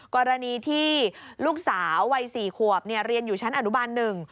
กรณีที่ลูกสาววัย๔ขวบเรียนอยู่ชั้นอนุบาลหนึ่ง